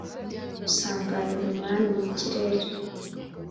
gusanganira Umwami mu kirere